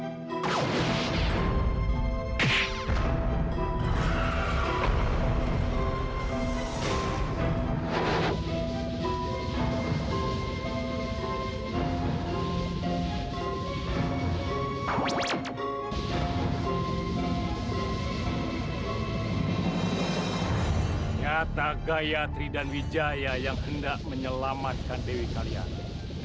nyata gayatri dan wijaya yang hendak menyelamatkan dewi kalian